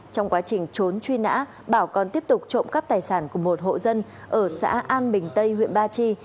trong quá trình trốn truy nã bảo còn tiếp tục trộm cắp tài sản của một hộ dân ở xã an bình tây huyện ba chi